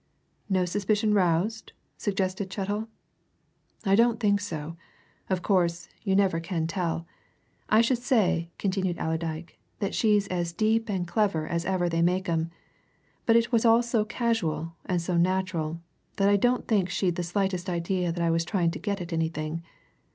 "No suspicion roused?" suggested Chettle. "I don't think so. Of course, you never can tell. I should say," continued Allerdyke, "that she's as deep and clever as ever they make 'em! But it was all so casual, and so natural, that I don't think she'd the slightest idea that I was trying to get at anything.